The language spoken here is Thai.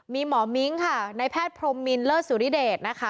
มีหมอมิ้งค่ะในแพทย์พรมมินเลิศสุริเดชนะคะ